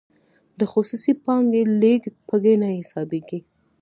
د خصوصي پانګې لیږد پکې نه حسابیږي.